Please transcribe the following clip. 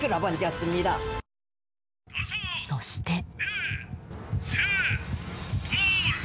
そして。